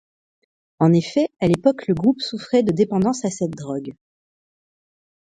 En effet, à l'époque, le groupe souffrait de dépendance à cette drogue.